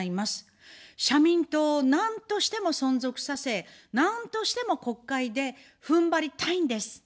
社民党をなんとしても存続させ、なんとしても国会でふんばりたいんです。